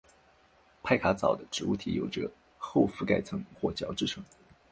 派卡藻的植物体有着厚覆盖层或角质层。